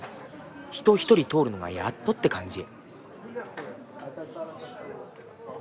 人一人通るのがやっとって感じ。